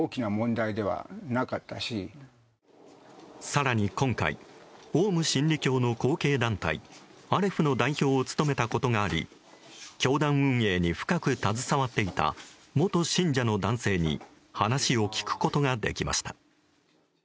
更に今回、オウム真理教の後継団体アレフの代表を務めたことがあり教団運営に深く携わっていた元信者の男性に話を聞くことができました。